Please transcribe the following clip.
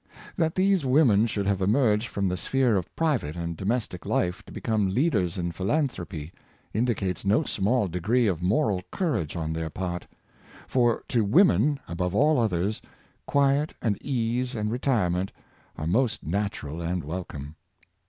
^ That these women should have emerged from the sphere of private and domestic life to become leaders in philanthropy, indi cates no small degree of moral courage on their part; for to women, above all others, quiet and ease and re tirement are most natural and welcome.